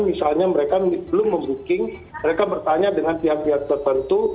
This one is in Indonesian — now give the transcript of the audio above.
misalnya mereka belum membooking mereka bertanya dengan pihak pihak tertentu